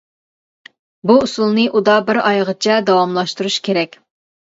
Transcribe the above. بۇ ئۇسۇلنى ئۇدا بىر ئايغىچە داۋاملاشتۇرۇش كېرەك.